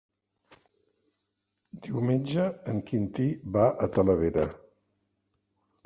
Diumenge en Quintí va a Talavera.